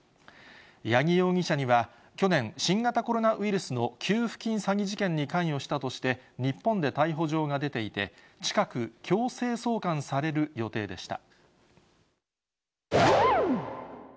八木容疑者には去年、新型コロナウイルスの給付金詐欺事件に関与したとして、日本で逮捕状が出ていて、近く、強制送還される予定でした。